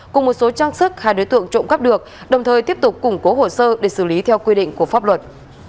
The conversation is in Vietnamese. cùng một số trang sức hai đối tượng trộm cắp được đồng thời tiếp tục củng cố hồ sơ để xử lý theo quy định của pháp luật